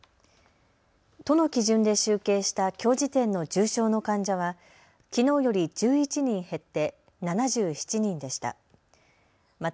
都の基準で集計したきょう時点の重症の患者はきのうより１１人減って、７７人でした。